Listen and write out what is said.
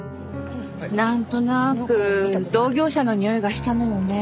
なんとなく同業者のにおいがしたのよね。